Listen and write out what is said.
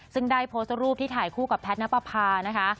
ซึ่งได้โพสต์รูปที่ถ่ายคู่กับแพทย์นับประพานะคะ